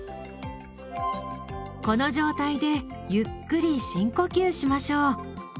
この状態でゆっくり深呼吸しましょう。